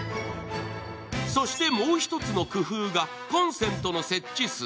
そして、もう一つの工夫がコンセントの設置数。